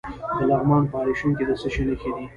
د لغمان په الیشنګ کې د څه شي نښې دي؟